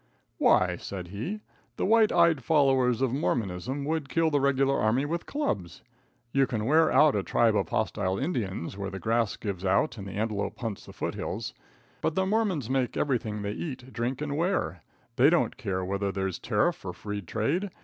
"Why," said he, "the white eyed followers of Mormonism would kill the regular army with clubs. You can wear out a tribe of hostile Indians when the grass gives out and the antelope hunts the foothills, but the Mormons make everything they eat, drink and wear. They don't care whether there's tariff or free trade.